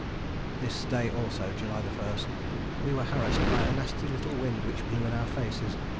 This day also (July 1) we were harassed by a nasty little wind which blew in our faces.